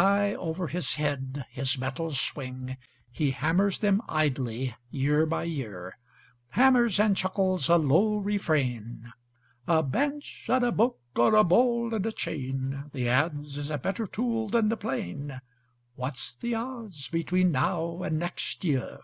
High over his head his metals swing; He hammers them idly year by year, Hammers and chuckles a low refrain: "A bench and a book are a ball and a chain, The adze is a better tool than the plane; What's the odds between now and next year?"